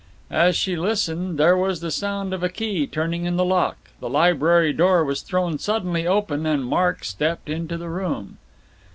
As she listened, there was the sound of a key turning in the lock, the library door was thrown suddenly open, and Mark stepped into the room.